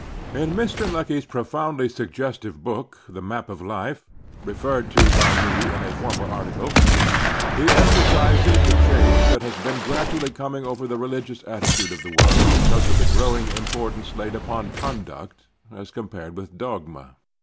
IN Mr. Lecky's profoundly suggestive book, "The Map of Life," referred to by me in a former article, he emphasizes the change that has been gradually coming over the religioiis atti tude of the world because of the growing impor tance laid upon conduct as compared with dogma.